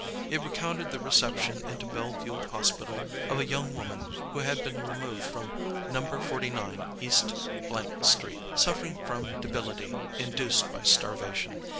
It recounted the reception into Bellevue Hospital of a young woman who had been removed from No. 49 East –––– street, suffering from debility induced by starvation.